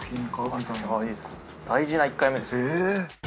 大事な１回目です。